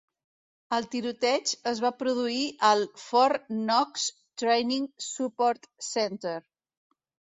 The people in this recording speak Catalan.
El tiroteig es va produir al Fort Knox's Training Support Center.